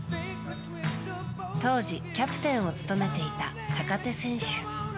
当時、キャプテンを務めていた坂手選手。